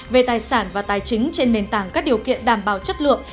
về tài sản và tài chính trên nền tảng các điều kiện đảm bảo chất lượng